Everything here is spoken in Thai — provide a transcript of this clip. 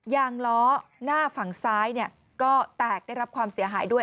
ยางล้อหน้าฝั่งซ้ายก็แตกได้รับความเสียหายด้วย